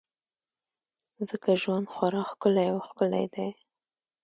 ځکه ژوند خورا ښکلی او ښکلی دی.